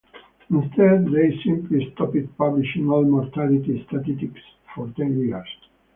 Instead, they simply stopped publishing all mortality statistics for ten years.